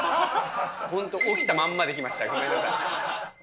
本当、起きたまんまできました、ごめんなさい。